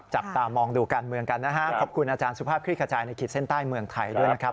จับตามองดูการเมืองกันนะฮะขอบคุณอาจารย์สุภาพคลิกขจายในขีดเส้นใต้เมืองไทยด้วยนะครับ